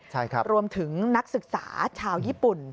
ใช่ครับรวมถึงนักศึกษาชาวญี่ปุ่น